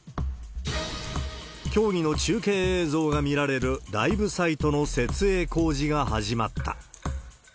競技の中継映像が見られるライブサイトの設営工事が始まった。